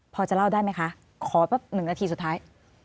พอจะเล่าได้ไหมคะขอแป๊บหนึ่งนาทีสุดท้าย